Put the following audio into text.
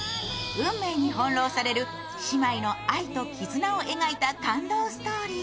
運命に翻弄される姉妹の愛と絆を描いた感動ストーリー。